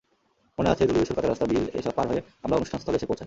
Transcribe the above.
মনে আছে, ধূলিধূসর কাঁচা রাস্তা, বিল—এসব পার হয়ে আমরা অনুষ্ঠানস্থলে এসে পৌঁছাই।